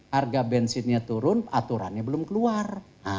harga bensinnya turun aturannya belum keluar